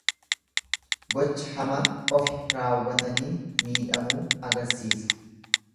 Gocha hamaa ofi raawwataniin miidhamuu agarsiisa.